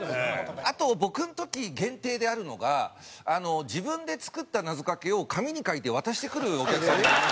あと僕の時限定であるのが自分で作った謎かけを紙に書いて渡してくるお客さんがいまして。